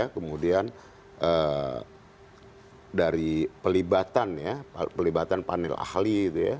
kemudian dari pelibatan ya pelibatan panel ahli